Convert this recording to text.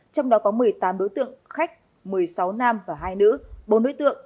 trong đó có một mươi tám đối tượng khách một mươi sáu nam và hai nữ bốn đối tượng